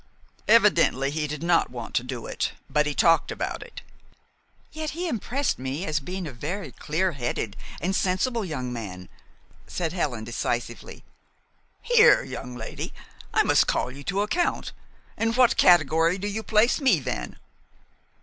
"Evidently he did not want to do it, but he talked about it." "Yet he impressed me as being a very clear headed and sensible young man," said Helen decisively. "Here, young lady, I must call you to account! In what category do you place me, then?"